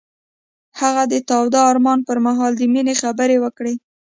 هغه د تاوده آرمان پر مهال د مینې خبرې وکړې.